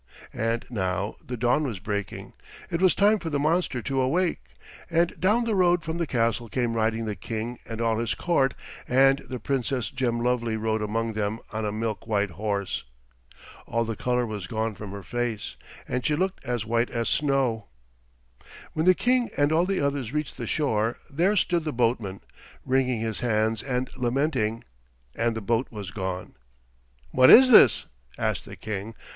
And now the dawn was breaking. It was time for the monster to awake, and down the road from the castle came riding the King and all his court, and the Princess Gemlovely rode among them on a milk white horse. All the color was gone from her face, and she looked as white as snow. When the King and all the others reached the shore there stood the boatman, wringing his hands and lamenting, and the boat was gone. "What is this?" asked the King.